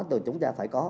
thì chúng ta phải có